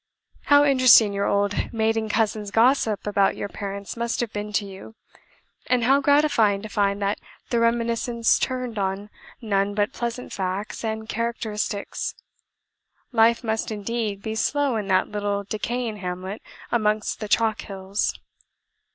"How interesting your old maiden cousin's gossip about your parents must have been to you; and how gratifying to find that the reminiscence turned on none but pleasant facts and characteristics! Life must, indeed, be slow in that little decaying hamlet amongst the chalk hills.